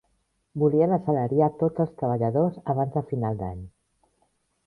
Volien assalariar tots els treballadors abans de final d'any.